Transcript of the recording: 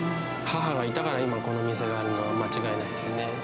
母がいたから、今、この店があるのは間違いないですね。